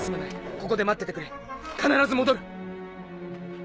ここで待っててくれ必ず戻る。